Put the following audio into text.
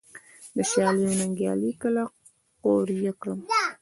د شالیو نیالګي کله قوریه کړم؟